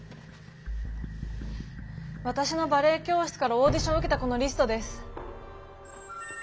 わたしのバレエ教室からオーディションを受けた子のリストです。